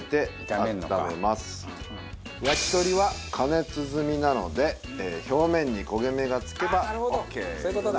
焼き鳥は加熱済みなので表面に焦げ目がつけばオーケー。